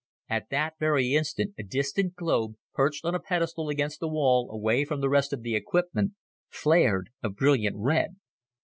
At that very instant a distant globe, perched on a pedestal against the wall away from the rest of the equipment, flared a brilliant red.